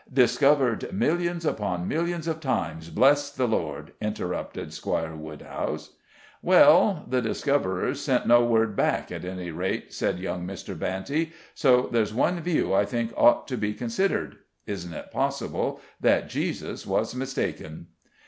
"Discovered millions upon millions of times, bless the Lord," interrupted Squire Woodhouse. "Well, the discoverers sent no word back, at any rate," said young Mr. Banty, "so there's one view I think ought to be considered; isn't it possible that Jesus was mistaken?"